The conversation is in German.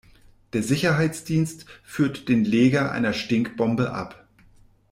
Der Sicherheitsdienst führt den Leger einer Stinkbombe ab.